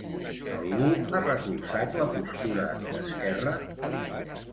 Algú ha recolzat la postura d'Esquerra?